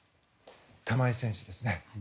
玉井選手です。